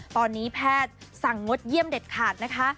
ตอนนี้แพทย์สั่งงดเยี่ยมเด็ดขาดนะคะ